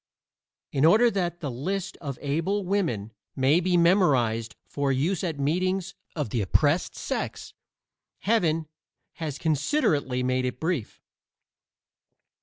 In order that the list of able women may be memorized for use at meetings of the oppressed sex, Heaven has considerately made it brief.